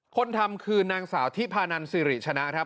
คนทำคือนางสาวที่ภานัลซิริ๐๐๖ชนะ